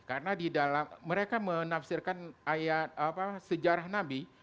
karena di dalam mereka menafsirkan ayat apa sejarah nabi